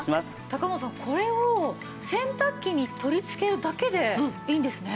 高納さんこれを洗濯機に取りつけるだけでいいんですね。